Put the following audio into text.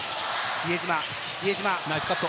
比江島。